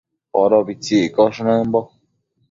Podobitsi iccosh nëmbo